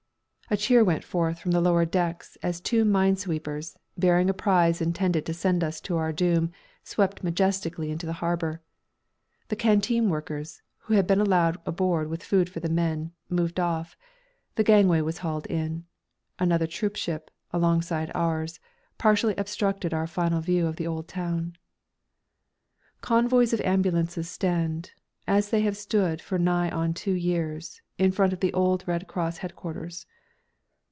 A cheer went forth from the lower deck as two mine sweepers, bearing a prize intended to send us to our doom, swept majestically into the harbour. The canteen workers, who had been allowed aboard with food for the men, moved off, the gangway was hauled in. Another troopship, alongside ours, partially obstructed our final view of the old town. Convoys of ambulances stand, as they have stood for nigh on two years, in front of the old Red Cross Headquarters.